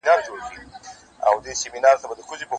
بل دي هم داسي قام لیدلی چي سبا نه لري؟